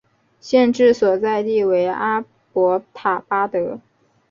县治所在地为阿伯塔巴德。